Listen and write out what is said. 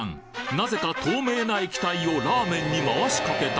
なぜか透明な液体をラーメンに回しかけた。